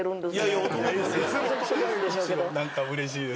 何かうれしいです。